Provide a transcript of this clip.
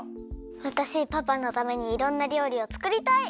わたしパパのためにいろんなりょうりをつくりたい！